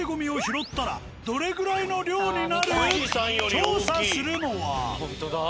調査するのは。